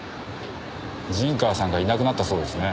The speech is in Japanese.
陣川さんがいなくなったそうですね。